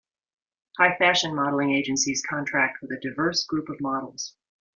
High fashion modeling agencies contract with a diverse group of models.